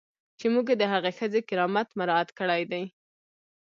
چې موږ د هغې ښځې کرامت مراعات کړی دی.